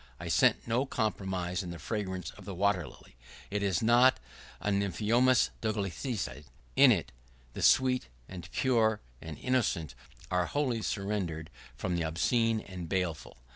I scent no compromise in the fragrance of the water lily. It is not a Nymphæa Douglasii. In it, the sweet, and pure, and innocent are wholly sundered from the obscene and baleful.